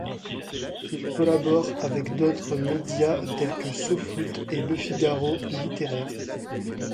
Il collabore avec d'autres médias tels So Foot et Le Figaro Littéraire.